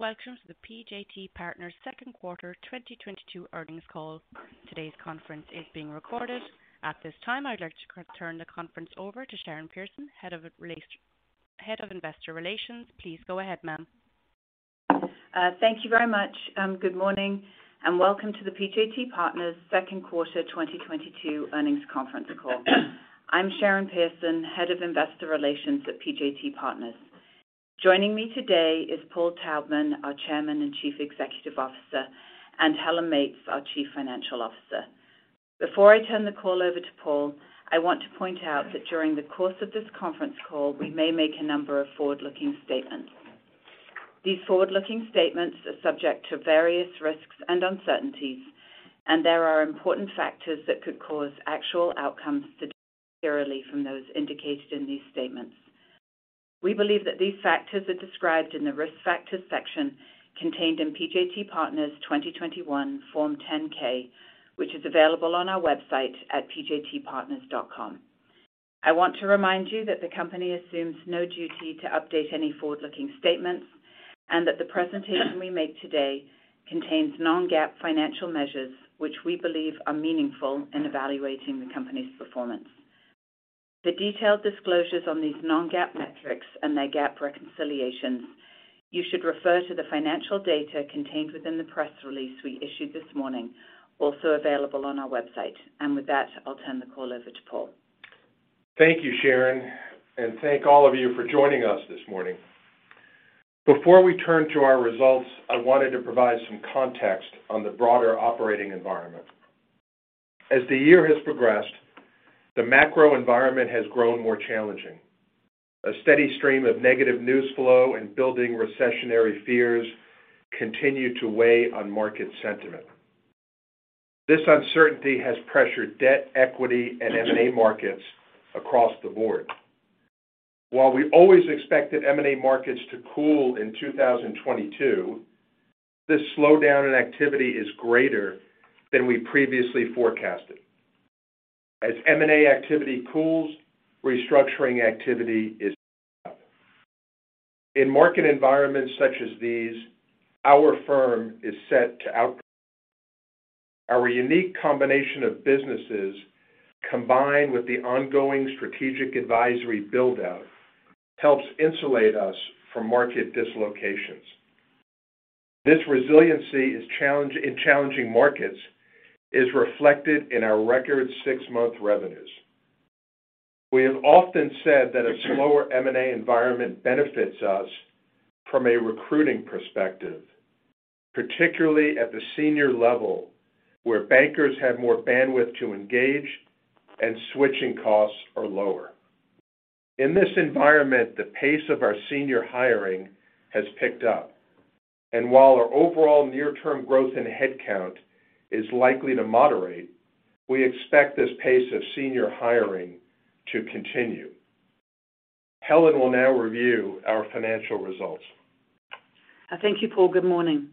Welcome to the PJT Partners second quarter 2022 earnings call. Today's conference is being recorded. At this time, I'd like to turn the conference over to Sharon Pearson, Head of Investor Relations. Please go ahead, ma'am. Thank you very much. Good morning and welcome to the PJT Partners second quarter 2022 earnings conference call. I'm Sharon Pearson, head of Investor Relations at PJT Partners. Joining me today is Paul Taubman, our Chairman and Chief Executive Officer, and Helen Meates, our Chief Financial Officer. Before I turn the call over to Paul, I want to point out that during the course of this conference call, we may make a number of forward-looking statements. These forward-looking statements are subject to various risks and uncertainties, and there are important factors that could cause actual outcomes to differ materially from those indicated in these statements. We believe that these factors are described in the Risk Factors section contained in PJT Partners 2021 Form 10-K, which is available on our website at pjtpartners.com. I want to remind you that the company assumes no duty to update any forward-looking statements and that the presentation we make today contains non-GAAP financial measures, which we believe are meaningful in evaluating the company's performance. For detailed disclosures on these non-GAAP metrics and their GAAP reconciliations, you should refer to the financial data contained within the press release we issued this morning, also available on our website. With that, I'll turn the call over to Paul. Thank you, Sharon, and thank all of you for joining us this morning. Before we turn to our results, I wanted to provide some context on the broader operating environment. As the year has progressed, the macro environment has grown more challenging. A steady stream of negative news flow and building recessionary fears continue to weigh on market sentiment. This uncertainty has pressured debt, equity, and M&A markets across the board. While we always expect that M&A markets to cool in 2022, this slowdown in activity is greater than we previously forecasted. As M&A activity cools, Restructuring activity is set up. In market environments such as these, our firm is set to out. Our unique combination of businesses, combined with the ongoing Strategic Advisory build-out, helps insulate us from market dislocations. This resiliency in challenging markets is reflected in our record six-month revenues. We have often said that a slower M&A environment benefits us from a recruiting perspective, particularly at the senior level, where bankers have more bandwidth to engage and switching costs are lower. In this environment, the pace of our senior hiring has picked up. While our overall near-term growth in headcount is likely to moderate, we expect this pace of senior hiring to continue. Helen will now review our financial results. Thank you, Paul. Good morning.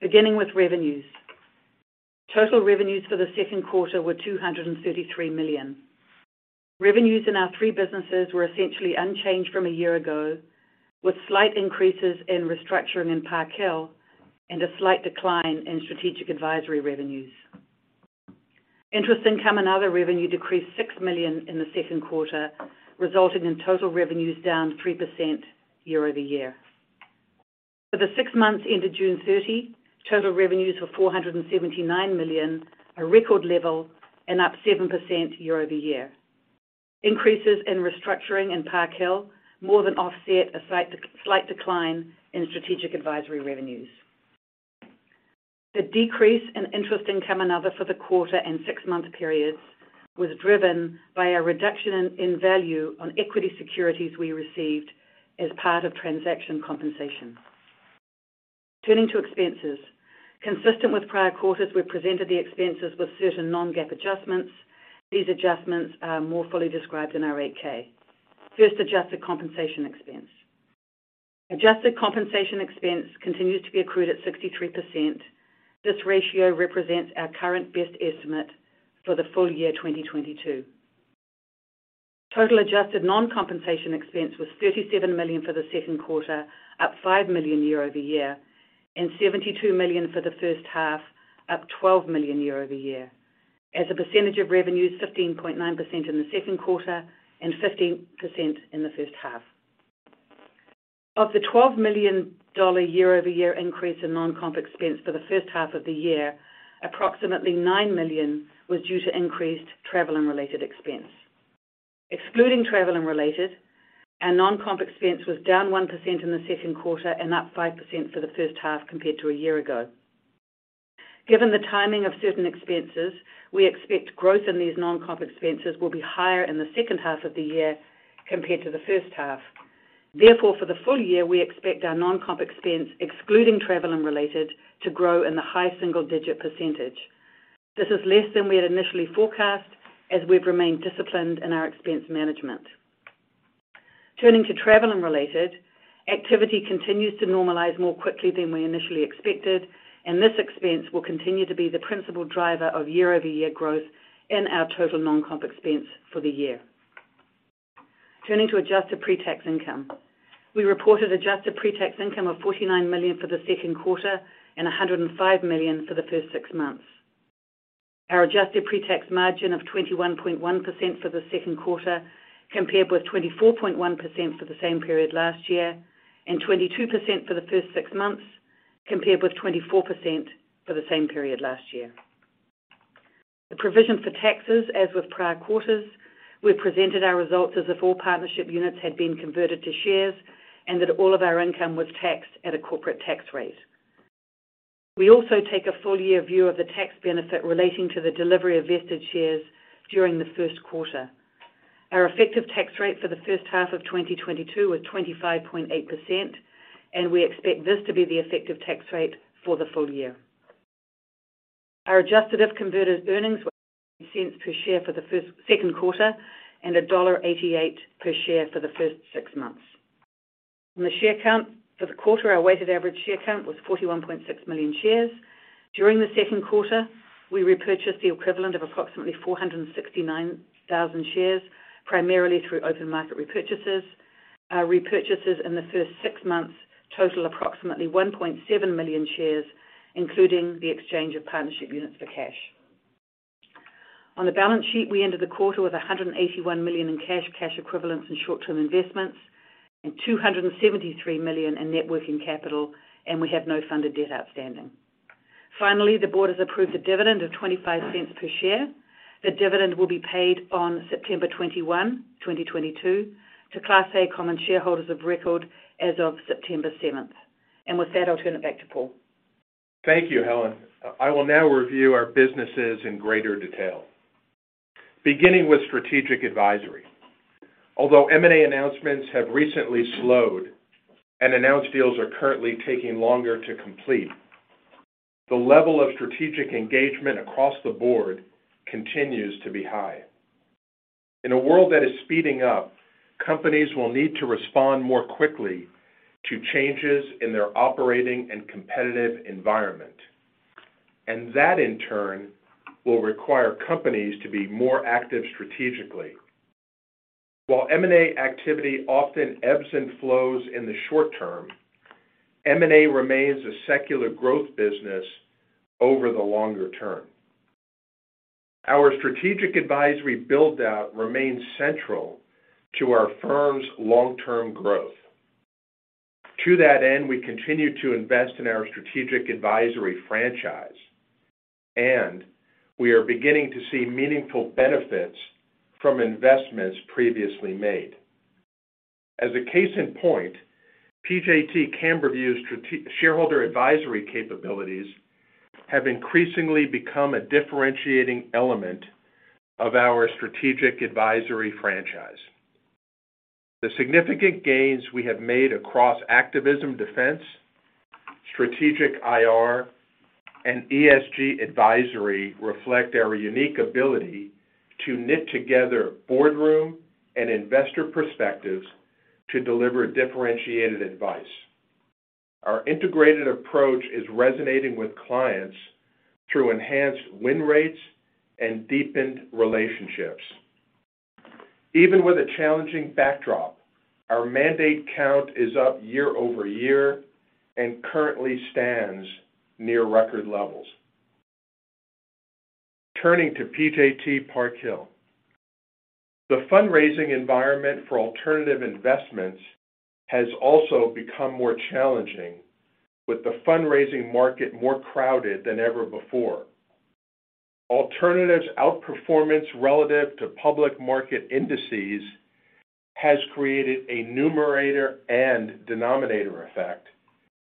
Beginning with revenues. Total revenues for the second quarter were $233 million. Revenues in our three businesses were essentially unchanged from a year ago, with slight increases in Restructuring and Park Hill and a slight decline in Strategic Advisory revenues. Interest income and other revenue decreased $6 million in the second quarter, resulting in total revenues down 3% year-over-year. For the six months ended June 30, total revenues were $479 million, a record level and up 7% year-over-year. Increases in Restructuring and Park Hill more than offset a slight decline in Strategic Advisory revenues. The decrease in interest income and other for the quarter and six-month periods was driven by a reduction in value on equity securities we received as part of transaction compensation. Turning to expenses. Consistent with prior quarters, we presented the expenses with certain non-GAAP adjustments. These adjustments are more fully described in our Form 8-K. First, adjusted compensation expense. Adjusted compensation expense continues to be accrued at 63%. This ratio represents our current best estimate for the full year 2022. Total adjusted non-compensation expense was $37 million for the second quarter, up $5 million year-over-year, and $72 million for the first half, up $12 million year-over-year. As a percentage of revenues, 15.9% in the second quarter and 15% in the first half. Of the $12 million year-over-year increase in non-comp expense for the first half of the year, approximately $9 million was due to increased travel and related expense. Excluding travel and related, our non-comp expense was down 1% in the second quarter and up 5% for the first half compared to a year ago. Given the timing of certain expenses, we expect growth in these non-comp expenses will be higher in the second half of the year compared to the first half. Therefore, for the full year, we expect our non-comp expense, excluding travel and related, to grow in the high single-digit percentage. This is less than we had initially forecast as we've remained disciplined in our expense management. Turning to travel and related, activity continues to normalize more quickly than we initially expected, and this expense will continue to be the principal driver of year-over-year growth in our total non-comp expense for the year. Turning to adjusted pre-tax income. We reported adjusted pre-tax income of $49 million for the second quarter and $105 million for the first six months. Our adjusted pre-tax margin of 21.1% for the second quarter compared with 24.1% for the same period last year, and 22% for the first six months compared with 24% for the same period last year. The provision for taxes, as with prior quarters, we presented our results as if all partnership units had been converted to shares and that all of our income was taxed at a corporate tax rate. We also take a full year view of the tax benefit relating to the delivery of vested shares during the first quarter. Our effective tax rate for the first half of 2022 was 25.8%, and we expect this to be the effective tax rate for the full year. Our adjusted if-converted earnings were cents per share for the second quarter and $1.88 per share for the first six months. On the share count for the quarter, our weighted average share count was 41.6 million shares. During the second quarter, we repurchased the equivalent of approximately 469,000 shares, primarily through open market repurchases. Our repurchases in the first six months total approximately 1.7 million shares, including the exchange of partnership units for cash. On the balance sheet, we ended the quarter with $181 million in cash equivalents, and short-term investments, and $273 million in net working capital, and we have no funded debt outstanding. Finally, the board has approved a dividend of $0.25 per share. The dividend will be paid on September 21, 2022 to Class A common shareholders of record as of September 7. With that, I'll turn it back to Paul. Thank you, Helen. I will now review our businesses in greater detail. Beginning with Strategic Advisory. Although M&A announcements have recently slowed and announced deals are currently taking longer to complete, the level of strategic engagement across the board continues to be high. In a world that is speeding up, companies will need to respond more quickly to changes in their operating and competitive environment, and that, in turn, will require companies to be more active strategically. While M&A activity often ebbs and flows in the short term, M&A remains a secular growth business over the longer term. Our Strategic Advisory build-out remains central to our firm's long-term growth. To that end, we continue to invest in our Strategic Advisory franchise, and we are beginning to see meaningful benefits from investments previously made. As a case in point, PJT Camberview shareholder advisory capabilities have increasingly become a differentiating element of our strategic advisory franchise. The significant gains we have made across activism defense, strategic IR, and ESG advisory reflect our unique ability to knit together boardroom and investor perspectives to deliver differentiated advice. Our integrated approach is resonating with clients through enhanced win rates and deepened relationships. Even with a challenging backdrop, our mandate count is up year-over-year and currently stands near record levels. Turning to PJT Park Hill. The fundraising environment for alternative investments has also become more challenging with the fundraising market more crowded than ever before. Alternatives outperformance relative to public market indices has created a numerator and denominator effect,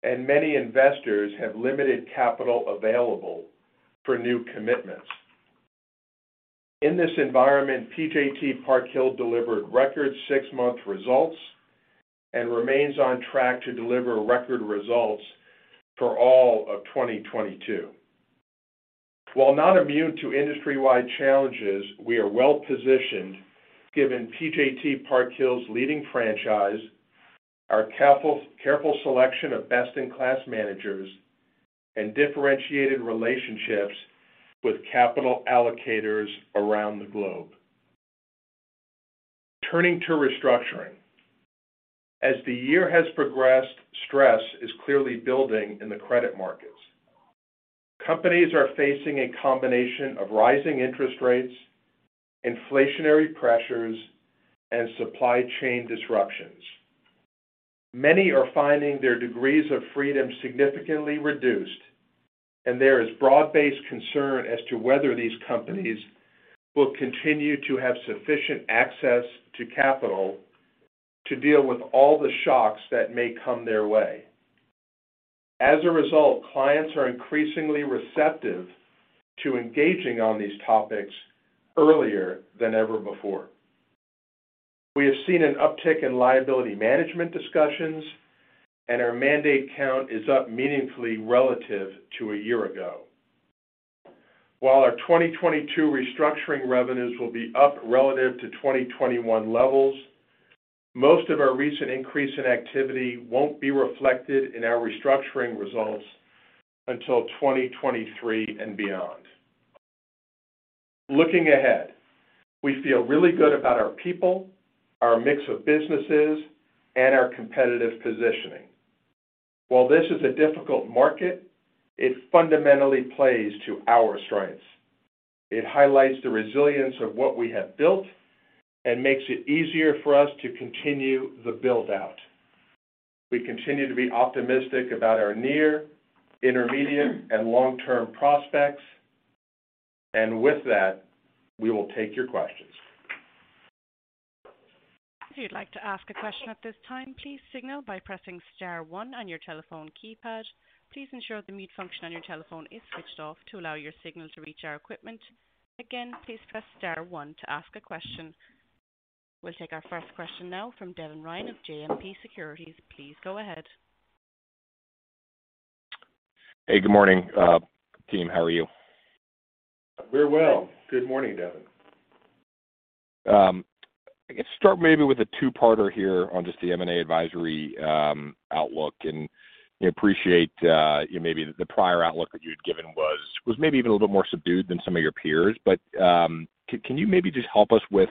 and many investors have limited capital available for new commitments. In this environment, PJT Park Hill delivered record six-month results and remains on track to deliver record results for all of 2022. While not immune to industry-wide challenges, we are well positioned given PJT Park Hill's leading franchise, our careful selection of best-in-class managers, and differentiated relationships with capital allocators around the globe. Turning to Restructuring. As the year has progressed, stress is clearly building in the credit markets. Companies are facing a combination of rising interest rates, inflationary pressures, and supply chain disruptions. Many are finding their degrees of freedom significantly reduced, and there is broad-based concern as to whether these companies will continue to have sufficient access to capital to deal with all the shocks that may come their way. As a result, clients are increasingly receptive to engaging on these topics earlier than ever before. We have seen an uptick in liability management discussions, and our mandate count is up meaningfully relative to a year ago. While our 2022 restructuring revenues will be up relative to 2021 levels, most of our recent increase in activity won't be reflected in our restructuring results until 2023 and beyond. Looking ahead, we feel really good about our people, our mix of businesses, and our competitive positioning. While this is a difficult market, it fundamentally plays to our strengths. It highlights the resilience of what we have built and makes it easier for us to continue the build-out. We continue to be optimistic about our near, intermediate, and long-term prospects. With that, we will take your questions. If you'd like to ask a question at this time, please signal by pressing star one on your telephone keypad. Please ensure the mute function on your telephone is switched off to allow your signal to reach our equipment. Again, please press star one to ask a question. We'll take our first question now from Devin Ryan of JMP Securities. Please go ahead. Hey, good morning, team. How are you? Very well. Good morning, Devin. I guess start maybe with a two-parter here on just the M&A advisory outlook. We appreciate maybe the prior outlook that you'd given was maybe even a little more subdued than some of your peers. Can you maybe just help us with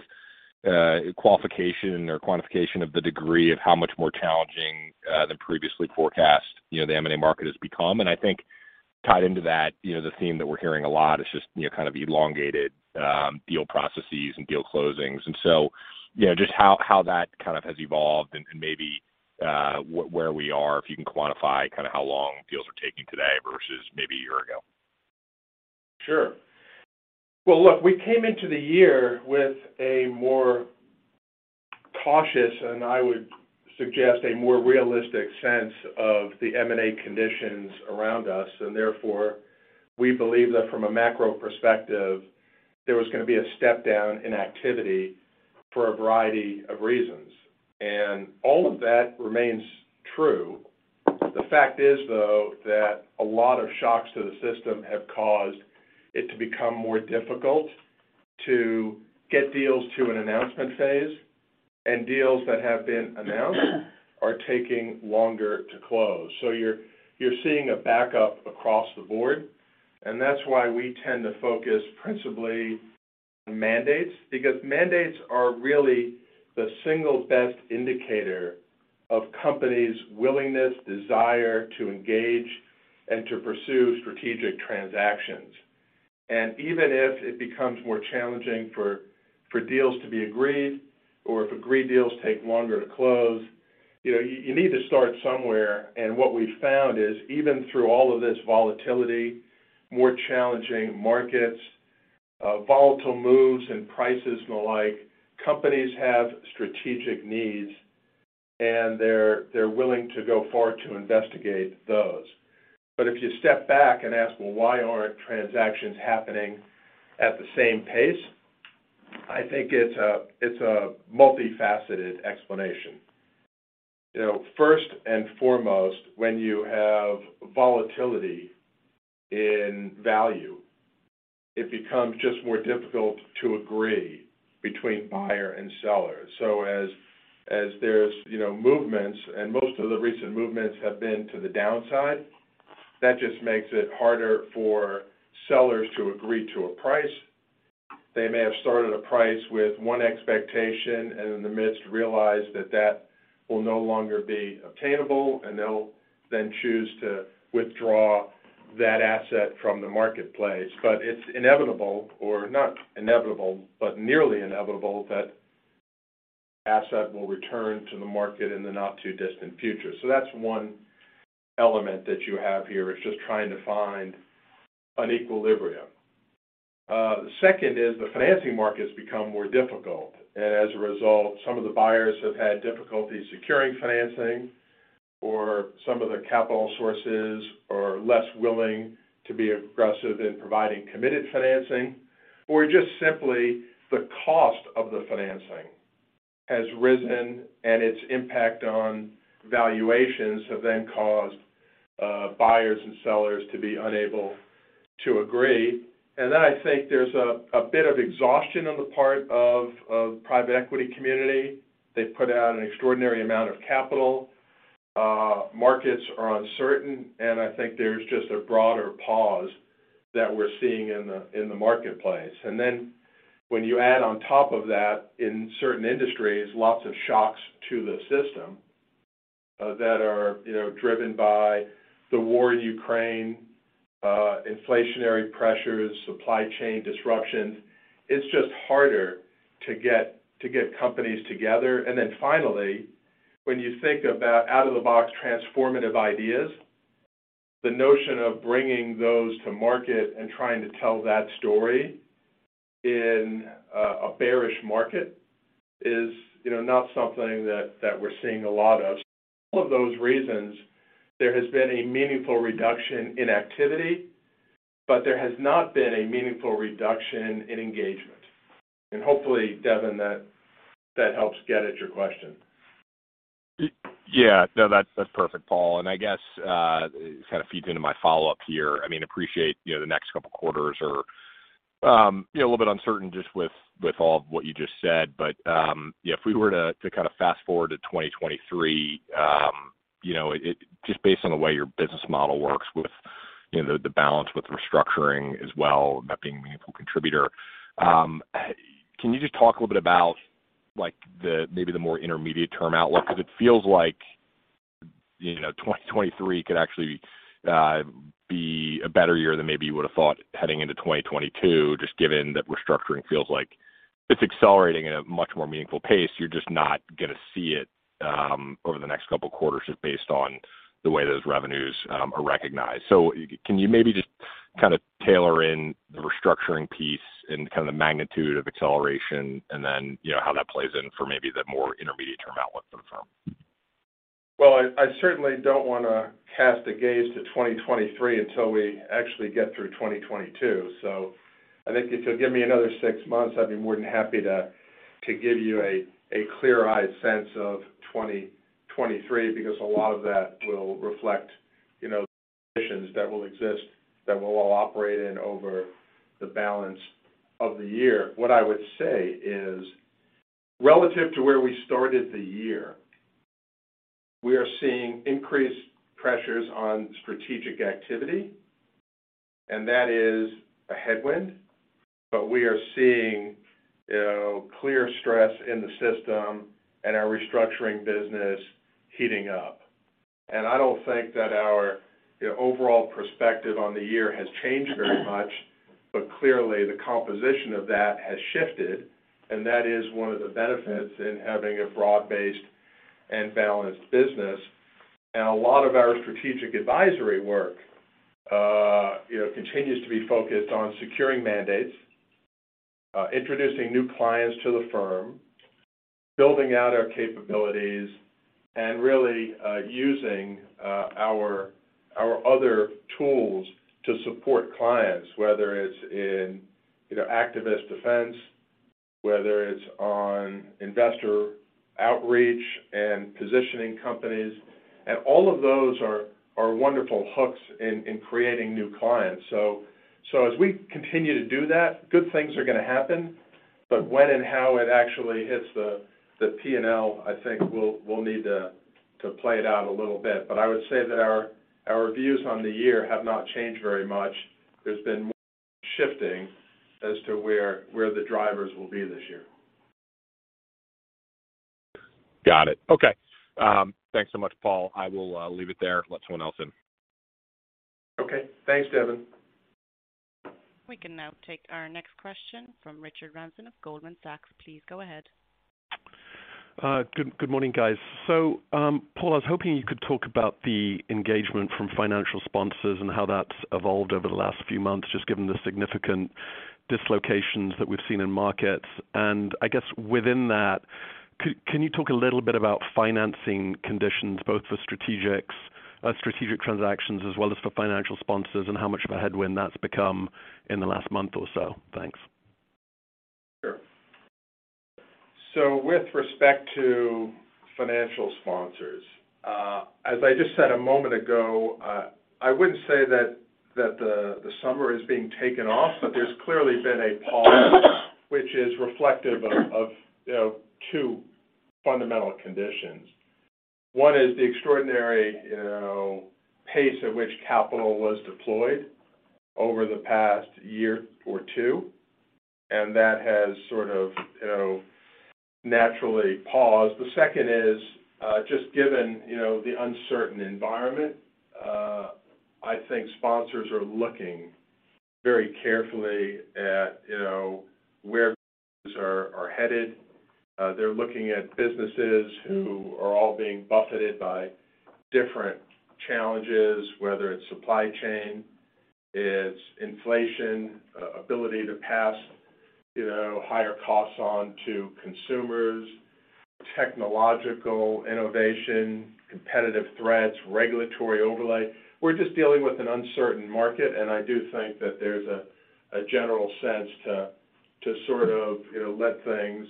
qualification or quantification of the degree of how much more challenging than previously forecast, you know, the M&A market has become? I think tied into that, you know, the theme that we're hearing a lot is just, you know, kind of elongated deal processes and deal closings. You know, just how that kind of has evolved and maybe where we are, if you can quantify kinda how long deals are taking today versus maybe a year ago. Sure. Well, look, we came into the year with a more cautious, and I would suggest a more realistic sense of the M&A conditions around us. Therefore, we believe that from a macro perspective, there was gonna be a step down in activity for a variety of reasons. All of that remains true. The fact is, though, that a lot of shocks to the system have caused it to become more difficult to get deals to an announcement phase, and deals that have been announced are taking longer to close. You're seeing a backup across the board, and that's why we tend to focus principally on mandates. Mandates are really the single best indicator of companies' willingness, desire to engage and to pursue strategic transactions. Even if it becomes more challenging for deals to be agreed or if agreed deals take longer to close, you know, you need to start somewhere. What we've found is, even through all of this volatility, more challenging markets, volatile moves and prices and the like, companies have strategic needs, and they're willing to go far to investigate those. If you step back and ask, "Well, why aren't transactions happening at the same pace?" I think it's a multifaceted explanation. You know, first and foremost, when you have volatility in value, it becomes just more difficult to agree between buyer and seller. As there's, you know, movements, and most of the recent movements have been to the downside, that just makes it harder for sellers to agree to a price. They may have started a price with one expectation and in the midst realized that that will no longer be obtainable, and they'll then choose to withdraw that asset from the marketplace. It's inevitable, or not inevitable, but nearly inevitable, that asset will return to the market in the not-too-distant future. That's one element that you have here. It's just trying to find an equilibrium. Second is the financing market's become more difficult. As a result, some of the buyers have had difficulty securing financing, or some of the capital sources are less willing to be aggressive in providing committed financing. Or just simply the cost of the financing has risen, and its impact on valuations have then caused, buyers and sellers to be unable to agree. Then I think there's a bit of exhaustion on the part of private equity community. They've put out an extraordinary amount of capital. Markets are uncertain, and I think there's just a broader pause that we're seeing in the marketplace. Then when you add on top of that, in certain industries, lots of shocks to the system that are, you know, driven by the war in Ukraine, inflationary pressures, supply chain disruptions, it's just harder to get companies together. Then finally, when you think about out-of-the-box transformative ideas, the notion of bringing those to market and trying to tell that story in a bearish market is, you know, not something that we're seeing a lot of. For all of those reasons, there has been a meaningful reduction in activity, but there has not been a meaningful reduction in engagement. Hopefully, Devin, that helps get at your question. Yeah. No, that's perfect, Paul. I guess it kind of feeds into my follow-up here. I mean, I appreciate, you know, the next couple quarters are, you know, a little bit uncertain just with all of what you just said. You know, if we were to kind of fast-forward to 2023, you know, it just based on the way your business model works with, you know, the balance with Restructuring as well, that being a meaningful contributor, can you just talk a little bit about, like, maybe the more intermediate term outlook? 'Cause it feels like, you know, 2023 could actually be a better year than maybe you would've thought heading into 2022, just given that Restructuring feels like it's accelerating at a much more meaningful pace. You're just not gonna see it over the next couple quarters just based on the way those revenues are recognized. Can you maybe just kinda tailor in the Restructuring piece and kinda the magnitude of acceleration, and then, you know, how that plays in for maybe the more intermediate term outlook for the firm? Well, I certainly don't wanna cast a gaze to 2023 until we actually get through 2022. I think if you give me another six months, I'd be more than happy to give you a clear-eyed sense of 2023, because a lot of that will reflect, you know, positions that will exist that we'll all operate in over the balance of the year. What I would say is, relative to where we started the year, we are seeing increased pressures on Strategic activity, and that is a headwind. We are seeing, you know, clear stress in the system and our Restructuring business heating up. I don't think that our, you know, overall perspective on the year has changed very much, but clearly the composition of that has shifted, and that is one of the benefits in having a broad-based and balanced business. A lot of our Strategic Advisory work, you know, continues to be focused on securing mandates, introducing new clients to the firm, building out our capabilities, and really using our other tools to support clients, whether it's in, you know, activist defense, whether it's on investor outreach and positioning companies. All of those are wonderful hooks in creating new clients. As we continue to do that, good things are gonna happen. When and how it actually hits the P&L, I think we'll need to play it out a little bit. I would say that our views on the year have not changed very much. There's been shifting as to where the drivers will be this year. Got it. Okay. Thanks so much, Paul. I will leave it there. Let someone else in. Okay. Thanks, Devin. We can now take our next question from Richard Ramsden of Goldman Sachs. Please go ahead. Good morning, guys. Paul, I was hoping you could talk about the engagement from financial sponsors and how that's evolved over the last few months, just given the significant dislocations that we've seen in markets. I guess within that, can you talk a little bit about financing conditions, both for strategic transactions as well as for financial sponsors, and how much of a headwind that's become in the last month or so? Thanks. Sure. With respect to financial sponsors, as I just said a moment ago, I wouldn't say that the summer is being taken off, but there's clearly been a pause which is reflective of you know, two fundamental conditions. One is the extraordinary you know, pace at which capital was deployed over the past year or two, and that has sort of you know, naturally paused. The second is just given you know, the uncertain environment, I think sponsors are looking very carefully at you know, where are headed. They're looking at businesses who are all being buffeted by different challenges, whether it's supply chain, it's inflation, ability to pass you know, higher costs on to consumers, technological innovation, competitive threats, regulatory overlay. We're just dealing with an uncertain market, and I do think that there's a general sense to sort of, you know, let things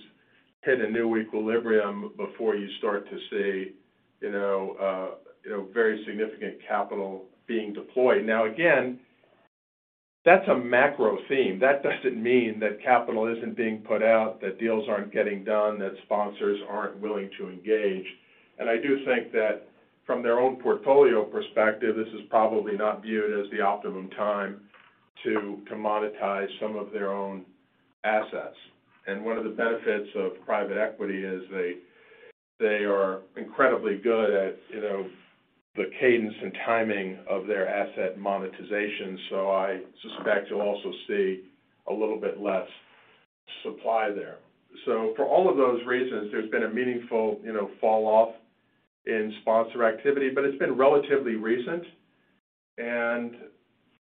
hit a new equilibrium before you start to see, you know, very significant capital being deployed. Now again, that's a macro theme. That doesn't mean that capital isn't being put out, that deals aren't getting done, that sponsors aren't willing to engage. I do think that from their own portfolio perspective, this is probably not viewed as the optimum time to commoditize some of their own assets. One of the benefits of private equity is they are incredibly good at, you know, the cadence and timing of their asset monetization. I suspect you'll also see a little bit less supply there. For all of those reasons, there's been a meaningful, you know, fall off in sponsor activity. It's been relatively recent, and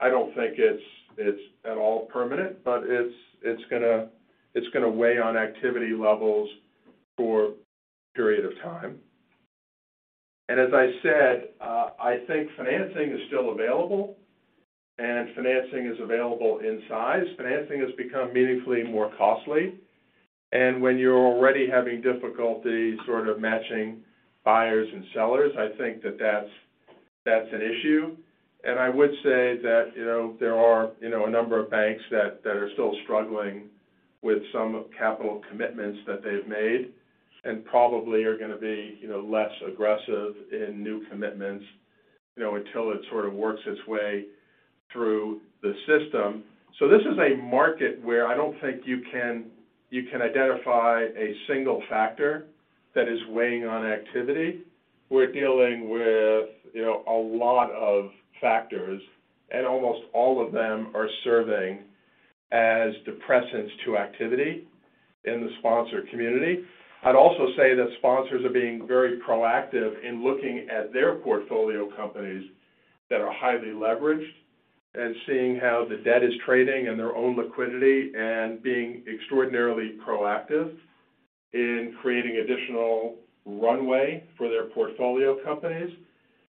I don't think it's at all permanent, but it's gonna weigh on activity levels for a period of time. As I said, I think financing is still available, and financing is available in size. Financing has become meaningfully more costly. When you're already having difficulty sort of matching buyers and sellers, I think that's an issue. I would say that, you know, there are, you know, a number of banks that are still struggling with some capital commitments that they've made and probably are gonna be, you know, less aggressive in new commitments, you know, until it sort of works its way through the system. This is a market where I don't think you can identify a single factor that is weighing on activity. We're dealing with, you know, a lot of factors, and almost all of them are serving as depressants to activity in the sponsor community. I'd also say that sponsors are being very proactive in looking at their portfolio companies that are highly leveraged and seeing how the debt is trading and their own liquidity, and being extraordinarily proactive in creating additional runway for their portfolio companies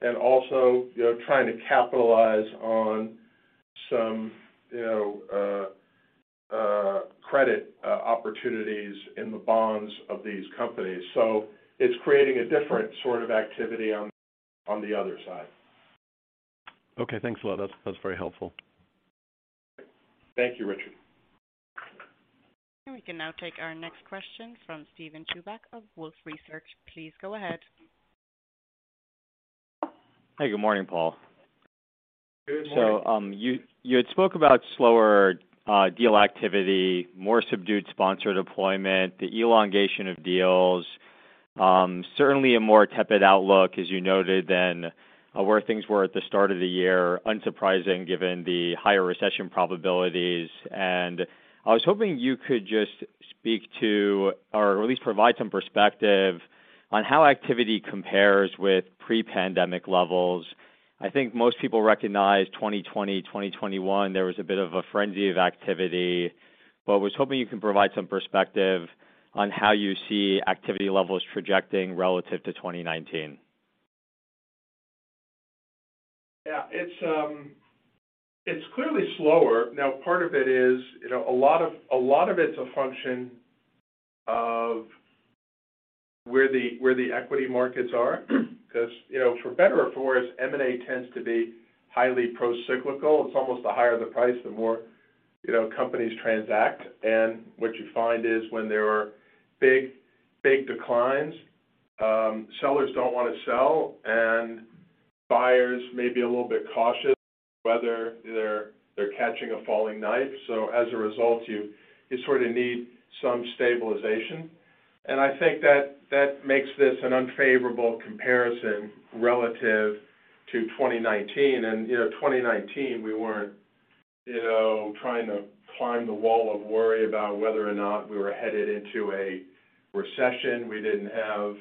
and also, you know, trying to capitalize on some, you know, credit opportunities in the bonds of these companies. It's creating a different sort of activity on the other side. Okay, thanks a lot. That's very helpful. Thank you, Richard. We can now take our next question from Steven Chubak of Wolfe Research. Please go ahead. Hey, good morning, Paul. Good morning. You had spoke about slower deal activity, more subdued sponsor deployment, the elongation of deals. Certainly a more tepid outlook, as you noted, than where things were at the start of the year, unsurprising given the higher recession probabilities. I was hoping you could just speak to or at least provide some perspective on how activity compares with pre-pandemic levels. I think most people recognize 2020, 2021, there was a bit of a frenzy of activity, but was hoping you can provide some perspective on how you see activity levels projecting relative to 2019. Yeah, it's clearly slower. Now, part of it is, you know, a lot of it's a function of where the equity markets are 'cause, you know, for better or for worse, M&A tends to be highly pro-cyclical. It's almost the higher the price, the more, you know, companies transact. What you find is when there are big declines, sellers don't wanna sell, and buyers may be a little bit cautious whether they're catching a falling knife. As a result, you sort of need some stabilization. I think that makes this an unfavorable comparison relative to 2019. You know, 2019, we weren't, you know, trying to climb the wall of worry about whether or not we were headed into a recession. We didn't have,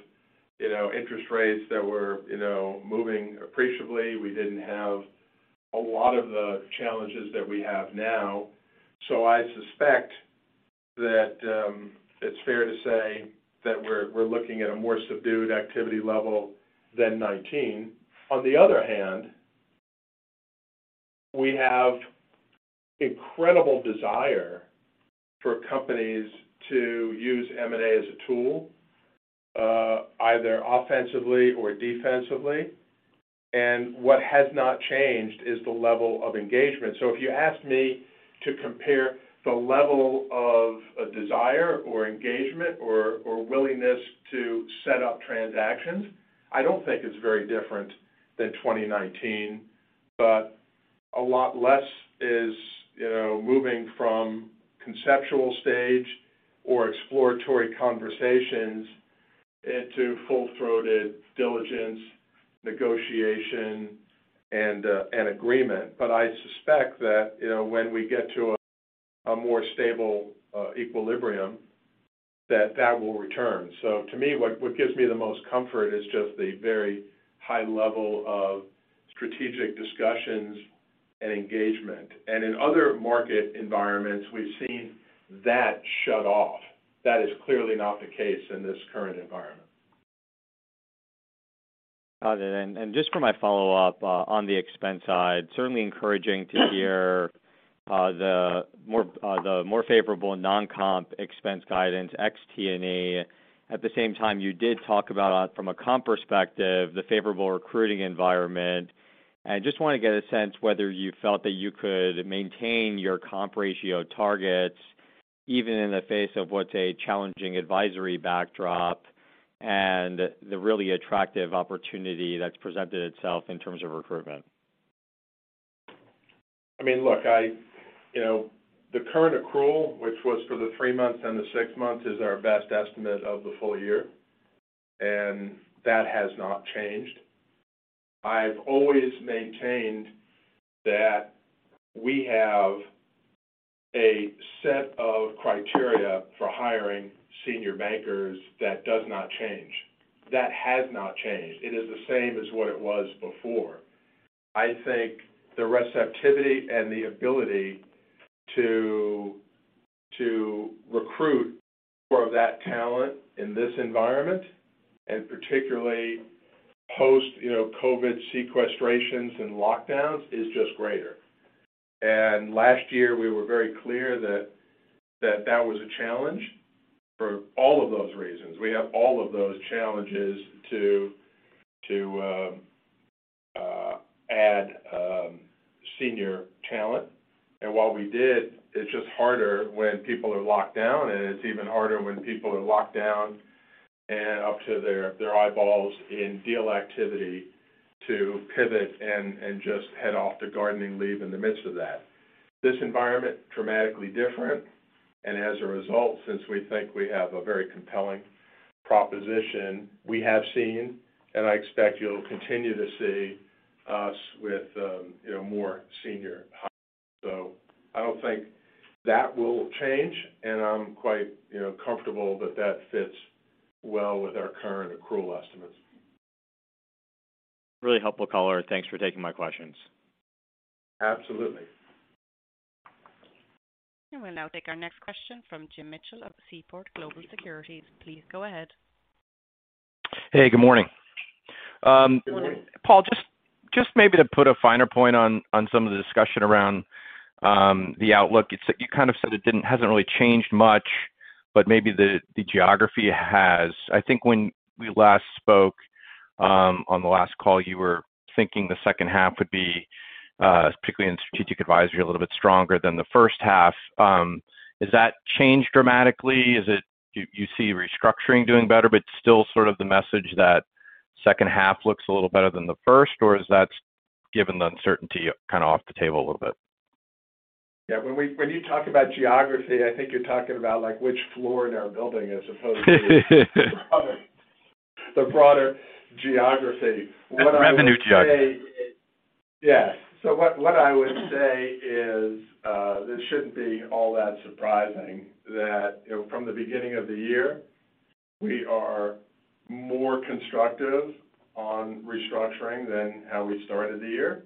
you know, interest rates that were, you know, moving appreciably. We didn't have a lot of the challenges that we have now. I suspect that it's fair to say that we're looking at a more subdued activity level than 2019. On the other hand, we have incredible desire for companies to use M&A as a tool either offensively or defensively, and what has not changed is the level of engagement. If you ask me to compare the level of a desire or engagement or willingness to set up transactions, I don't think it's very different than 2019. A lot less is, you know, moving from conceptual stage or exploratory conversations into full-throated diligence, negotiation and agreement. I suspect that, you know, when we get to a more stable equilibrium, that will return. To me, what gives me the most comfort is just the very high level of strategic discussions and engagement. In other market environments, we've seen that shut off. That is clearly not the case in this current environment. Got it. Just for my follow-up, on the expense side, certainly encouraging to hear the more favorable non-comp expense guidance, ex T&E. At the same time, you did talk about from a comp perspective, the favorable recruiting environment. I just wanna get a sense whether you felt that you could maintain your comp ratio targets even in the face of what's a challenging advisory backdrop and the really attractive opportunity that's presented itself in terms of recruitment. I mean, look, you know, the current accrual, which was for the three months and the six months, is our best estimate of the full year, and that has not changed. I've always maintained that we have a set of criteria for hiring senior bankers that does not change. That has not changed. It is the same as what it was before. I think the receptivity and the ability to recruit more of that talent in this environment, and particularly post, you know, COVID sequestering and lockdowns, is just greater. Last year, we were very clear that that was a challenge for all of those reasons. We have all of those challenges to add senior talent. While we did, it's just harder when people are locked down, and it's even harder when people are locked down and up to their eyeballs in deal activity to pivot and just head off to gardening leave in the midst of that. This environment, dramatically different. As a result, since we think we have a very compelling proposition, we have seen, and I expect you'll continue to see us with, you know, more senior hires. I don't think that will change, and I'm quite, you know, comfortable that that fits well with our current accrual estimates. Really helpful color. Thanks for taking my questions. Absolutely. We'll now take our next question from Jim Mitchell of Seaport Global Securities. Please go ahead. Hey, good morning. Good morning. Paul, just maybe to put a finer point on some of the discussion around the outlook. You kind of said it hasn't really changed much, but maybe the geography has. I think when we last spoke on the last call, you were thinking the second half would be particularly in Strategic Advisory a little bit stronger than the first half. Has that changed dramatically? Is it you see Restructuring doing better, but still sort of the message that second half looks a little better than the first, or is that, given the uncertainty, kind of off the table a little bit? Yeah. When you talk about geography, I think you're talking about, like, which floor in our building as opposed to the broader geography. What I would say is. The revenue geography. Yes. What I would say is, this shouldn't be all that surprising that, you know, from the beginning of the year, we are more constructive on Restructuring than how we started the year.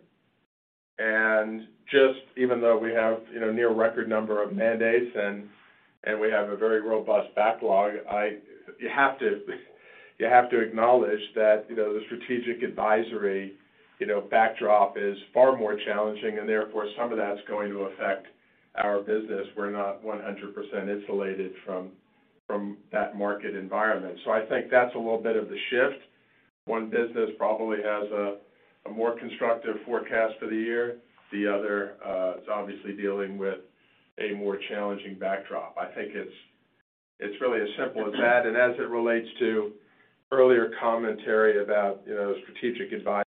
Just even though we have, you know, near record number of mandates and we have a very robust backlog, you have to acknowledge that, you know, the Strategic Advisory backdrop is far more challenging, and therefore some of that's going to affect our business. We're not 100% insulated from that market environment. I think that's a little bit of the shift. One business probably has a more constructive forecast for the year. The other is obviously dealing with a more challenging backdrop. I think it's really as simple as that. As it relates to earlier commentary about, you know, strategic advice,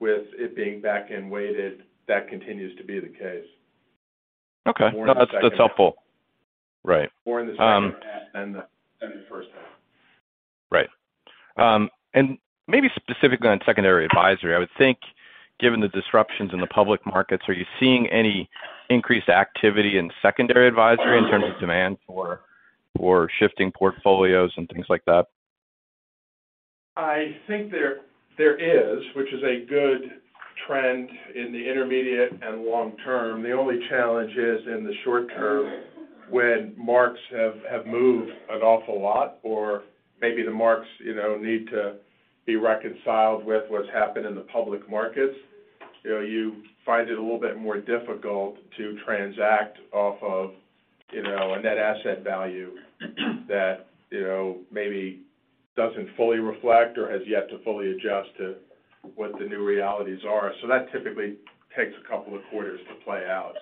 with it being back-end weighted, that continues to be the case. Okay. More in the second. That's helpful. Right. More in the second half than the first half. Right. Maybe specifically on secondary advisory. I would think, given the disruptions in the public markets, are you seeing any increased activity in secondary advisory in terms of demand for shifting portfolios and things like that? I think there is, which is a good trend in the intermediate and long term. The only challenge is in the short term, when marks have moved an awful lot or maybe the marks, you know, need to be reconciled with what's happened in the public markets, you know, you find it a little bit more difficult to transact off of, you know, a net asset value that, you know, maybe doesn't fully reflect or has yet to fully adjust to what the new realities are. That typically takes a couple of quarters to play out.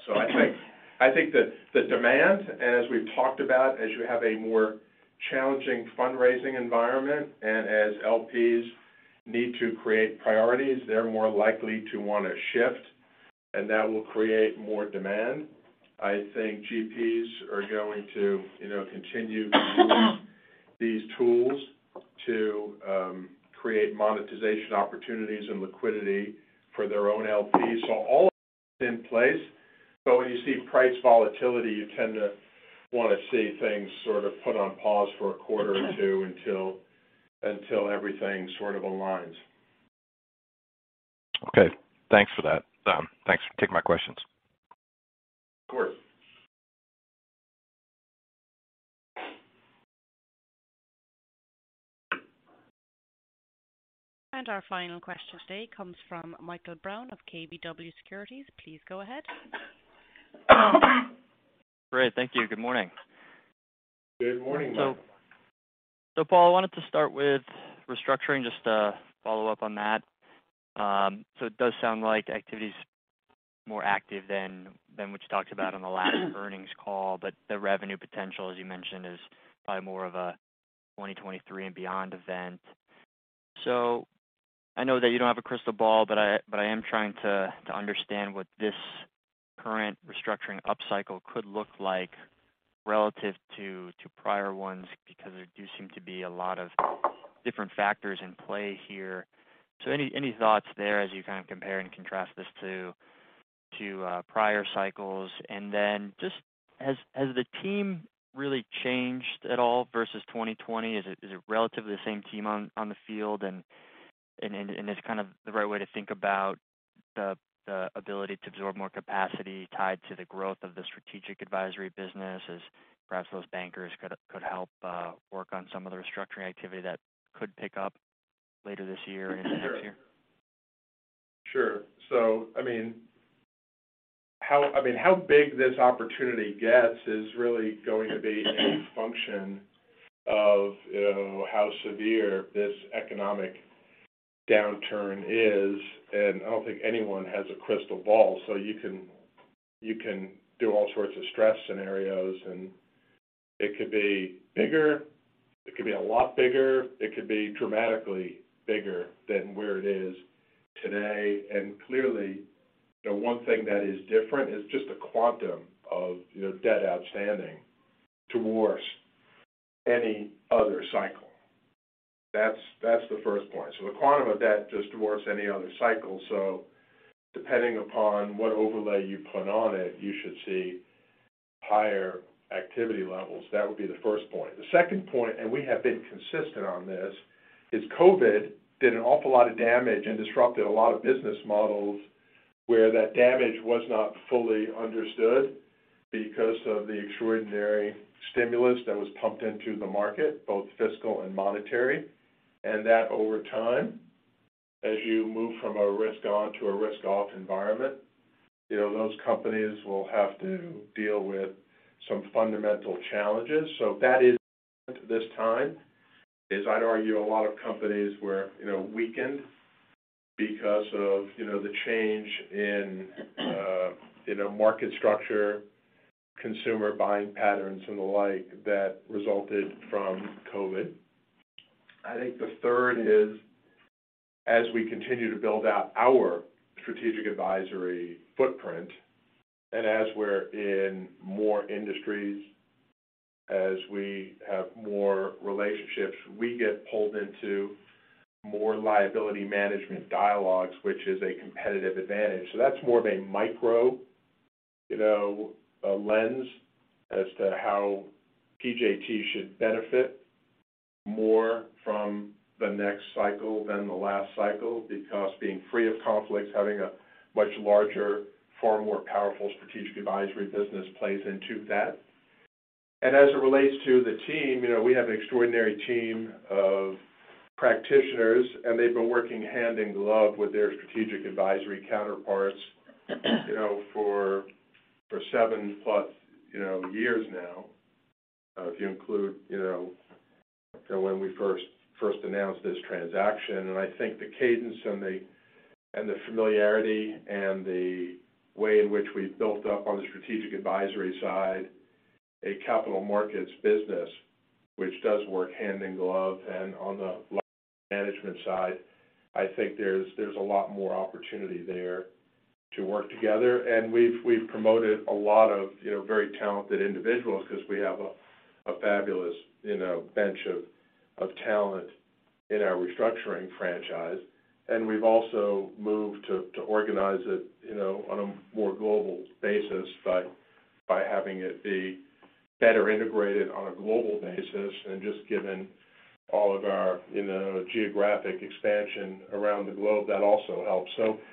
I think that the demand, and as we've talked about, as you have a more challenging fundraising environment and as LPs need to create priorities, they're more likely to wanna shift, and that will create more demand. I think GPs are going to, you know, continue to use these tools to create monetization opportunities and liquidity for their own LPs. All of that's in place. When you see price volatility, you tend to wanna see things sort of put on pause for a quarter or two until everything sort of aligns. Okay. Thanks for that. Thanks for taking my questions. Of course. Our final question today comes from Michael Brown of KBW Securities. Please go ahead. Great. Thank you. Good morning. Good morning, Michael. Paul, I wanted to start with Restructuring, just to follow up on that. It does sound like activity's more active than what you talked about on the last earnings call, but the revenue potential, as you mentioned, is probably more of a 2023 and beyond event. I know that you don't have a crystal ball, but I am trying to understand what this current restructuring upcycle could look like relative to prior ones because there do seem to be a lot of different factors in play here. Any thoughts there as you kind of compare and contrast this to prior cycles? Then just has the team really changed at all versus 2020? Is it relatively the same team on the field? Is kind of the right way to think about the ability to absorb more capacity tied to the growth of the Strategic Advisory business as perhaps those bankers could help work on some of the Restructuring activity that could pick up? Later this year or into next year. Sure. I mean, how big this opportunity gets is really going to be a function of, you know, how severe this economic downturn is. I don't think anyone has a crystal ball. You can do all sorts of stress scenarios, and it could be bigger, it could be a lot bigger, it could be dramatically bigger than where it is today. Clearly, the one thing that is different is just the quantum of, you know, debt outstanding versus any other cycle. That's the first point. The quantum of debt just versus any other cycle. Depending upon what overlay you put on it, you should see higher activity levels. That would be the first point. The second point, and we have been consistent on this, is COVID did an awful lot of damage and disrupted a lot of business models where that damage was not fully understood because of the extraordinary stimulus that was pumped into the market, both fiscal and monetary. That over time, as you move from a risk on to a risk off environment, you know, those companies will have to deal with some fundamental challenges. That is, this time, I'd argue a lot of companies were, you know, weakened because of, you know, the change in, you know, market structure, consumer buying patterns and the like, that resulted from COVID. I think the third is, as we continue to build out our strategic advisory footprint and as we're in more industries, as we have more relationships, we get pulled into more liability management dialogues, which is a competitive advantage. That's more of a micro, you know, lens as to how PJT should benefit more from the next cycle than the last cycle. Because being free of conflicts, having a much larger, far more powerful strategic advisory business plays into that. As it relates to the team, you know, we have an extraordinary team of practitioners, and they've been working hand in glove with their strategic advisory counterparts, you know, for seven plus, you know, years now, if you include, you know, when we first announced this transaction. I think the cadence and the familiarity and the way in which we've built up on the Strategic Advisory side, a capital markets business which does work hand in glove and on the management side, I think there's a lot more opportunity there to work together. We've promoted a lot of, you know, very talented individuals 'cause we have a fabulous, you know, bench of talent in our Restructuring franchise. We've also moved to organize it, you know, on a more global basis by having it be better integrated on a global basis. Just given all of our, you know, geographic expansion around the globe, that also helps.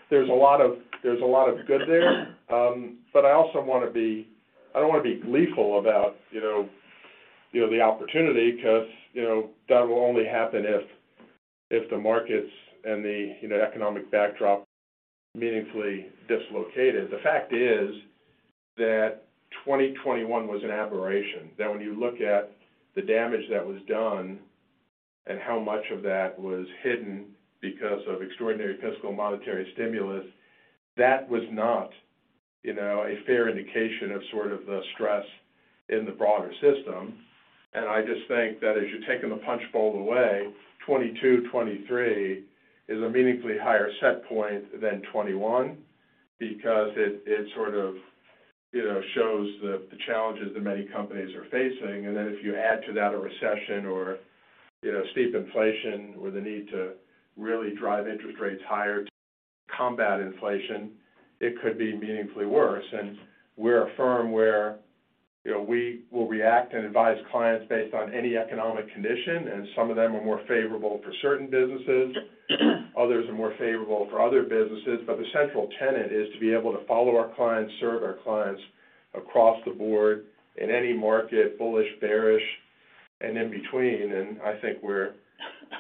There's a lot of good there. I also wanna be - I don't wanna be gleeful about, you know, the opportunity, 'cause, you know, that will only happen if the markets and the, you know, economic backdrop meaningfully dislocated. The fact is that 2021 was an aberration. That when you look at the damage that was done and how much of that was hidden because of extraordinary fiscal monetary stimulus, that was not, you know, a fair indication of sort of the stress in the broader system. I just think that as you're taking the punch bowl away, 2022, 2023 is a meaningfully higher set point than 2021 because it sort of, you know, shows the challenges that many companies are facing. Then if you add to that a recession or, you know, steep inflation or the need to really drive interest rates higher to combat inflation, it could be meaningfully worse. We're a firm where, you know, we will react and advise clients based on any economic condition, and some of them are more favorable for certain businesses, others are more favorable for other businesses. The central tenet is to be able to follow our clients, serve our clients across the board in any market, bullish, bearish, and in between. I think we're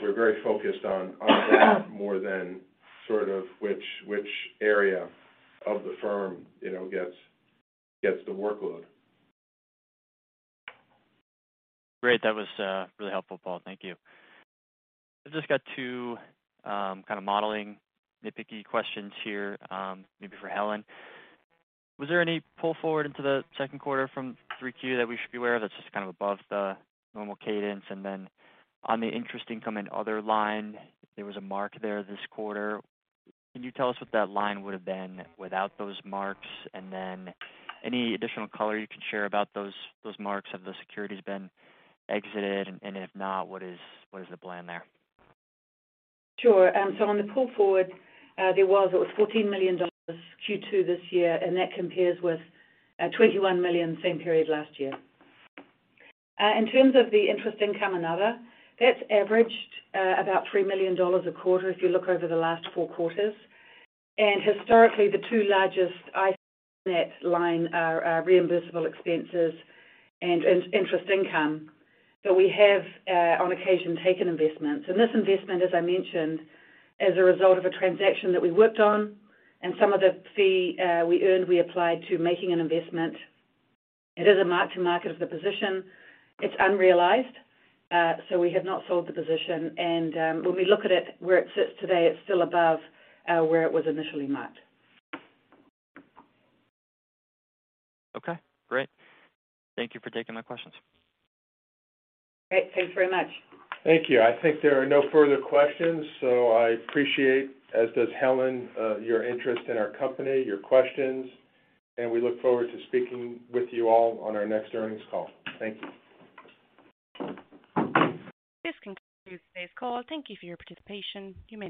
very focused on that more than sort of which area of the firm, you know, gets the workload. Great. That was really helpful, Paul. Thank you. I've just got two kind of modeling nitpicky questions here, maybe for Helen. Was there any pull forward into the second quarter from 3Q that we should be aware of that's just kind of above the normal cadence? And then on the interest income and other line, if there was a mark there this quarter, can you tell us what that line would have been without those marks? And then any additional color you can share about those marks? Have the securities been exited? And if not, what is the plan there? Sure. On the pull forward, it was $14 million in Q2 this year, and that compares with $21 million same period last year. In terms of the interest income and other, that's averaged about $3 million a quarter if you look over the last four quarters. Historically, the two largest items in that line are reimbursable expenses and interest income. We have on occasion taken investments. This investment, as I mentioned, as a result of a transaction that we worked on and some of the fee we earned, we applied to making an investment. It is a mark to market of the position. It's unrealized, so we have not sold the position. When we look at it, where it sits today, it's still above where it was initially marked. Okay, great. Thank you for taking my questions. Great. Thanks very much. Thank you. I think there are no further questions. I appreciate, as does Helen, your interest in our company, your questions, and we look forward to speaking with you all on our next earnings call. Thank you. This concludes today's call. Thank you for your participation. You may dis-